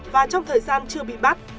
và trong thời gian chưa bị bắt